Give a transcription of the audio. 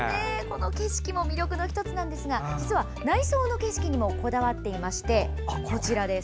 景色も魅力の１つですが実は内装の景色にもこだわっていまして、こちらです。